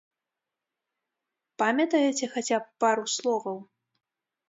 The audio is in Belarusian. Памятаеце хаця б пару словаў?